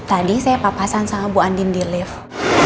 tadi saya papasan sama bu andin di lift